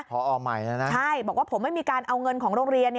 พอใหม่แล้วนะใช่บอกว่าผมไม่มีการเอาเงินของโรงเรียน